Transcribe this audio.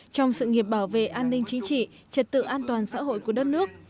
trong sự nghiệp bảo vệ an ninh chính trị trật tự an toàn xã hội của đất nước